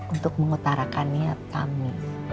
untuk mengutarakan niat kami